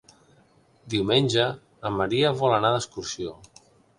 Diumenge en Maria vol anar d'excursió.